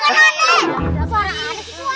suara aneh sih